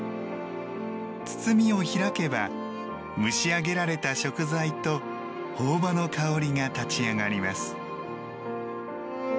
包みを開けば蒸しあげられた食材と朴葉の香りが立ち上がります。